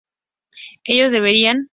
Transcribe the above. ¿ellos beberían?